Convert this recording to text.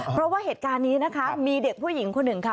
เพราะว่าเหตุการณ์นี้นะคะมีเด็กผู้หญิงคนหนึ่งค่ะ